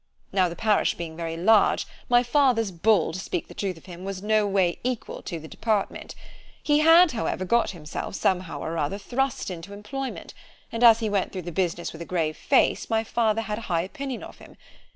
Now the parish being very large, my father's Bull, to speak the truth of him, was no way equal to the department; he had, however, got himself, somehow or other, thrust into employment—and as he went through the business with a grave face, my father had a high opinion of him.